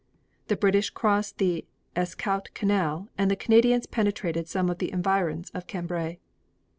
The British crossed the Escaut canal and the Canadians penetrated some of the environs of Cambrai.